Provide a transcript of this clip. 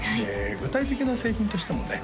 具体的な製品としてもね